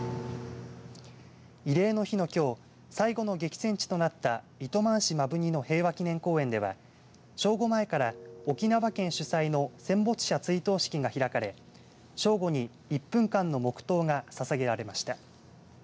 慰霊の日のきょう最後の激戦地となった糸満市摩文仁の平和祈念公園では正午前から沖縄県主催の戦没者追悼式が開かれ正午に１分間の黙とうがささげられました。